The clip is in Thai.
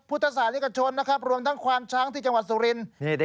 พุทธศาสนิกชนนะครับรวมทั้งควานช้างที่จังหวัดสุรินทร์